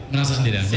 merasa sendirian betul